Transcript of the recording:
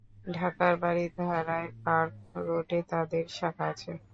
ঢাকার বারিধারায় পার্ক রোডে তাদের শাখা আছে।